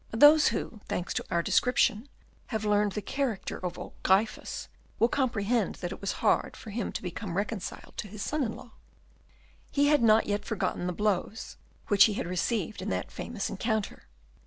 Those who, thanks to our description, have learned the character of old Gryphus, will comprehend that it was hard for him to become reconciled to his son in law. He had not yet forgotten the blows which he had received in that famous encounter.